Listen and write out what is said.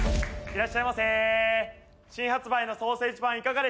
いらっしゃいませ。